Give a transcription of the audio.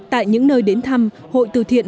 tại những nơi đến thăm hội từ thiện